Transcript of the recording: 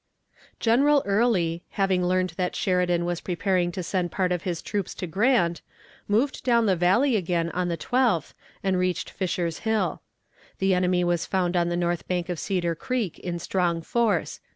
General Early, having learned that Sheridan was preparing to send a part of his troops to Grant, moved down the Valley again on the 12th, and reached Fisher's Hill. The enemy was found on the north bank of Cedar Creek in strong force.